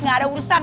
gak ada urusan